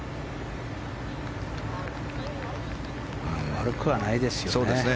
悪くはないですよね。